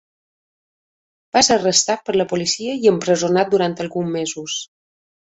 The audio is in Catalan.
Va ser arrestat per la policia i empresonat durant alguns mesos.